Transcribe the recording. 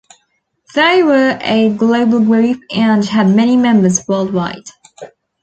They were a global group and had many members worldwide.